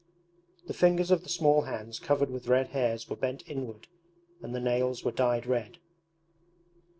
The fingers of the small hands covered with red hairs were bent inward, and the nails were dyed red.